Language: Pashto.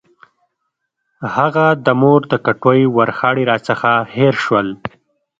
هغه د مور د کټوۍ ورخاړي راڅخه هېر شول.